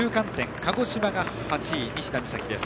鹿児島が８位、西田美咲です。